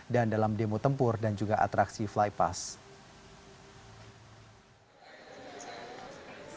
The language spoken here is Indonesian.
dan dalam demo tempur dan juga atraksi fly pass